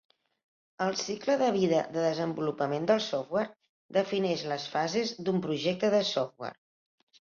El cicle de vida de desenvolupament del software defineix les fases d'un projecte de software.